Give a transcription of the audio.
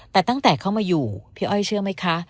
แต่ตั้งแต่เข้ามาอยู่พี่อ้อยเชื่อไหมคะ